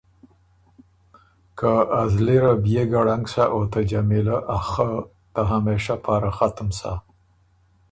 که ا زلی ره بئے ګه ړنګ سَۀ او ته جمیلۀ ا ”خۀ“ ته همېشۀ پاره ختُم سَۀ۔